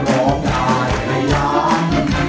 ร้องได้ให้ล้าน